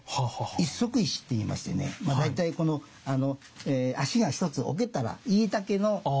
一足石って言いましてね大体この足が一つ置けたらいい丈の大きさ。